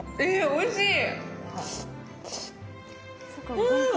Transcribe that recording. おいしい。